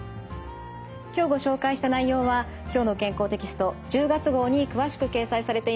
今日ご紹介した内容は「きょうの健康」テキスト１０月号に詳しく掲載されています。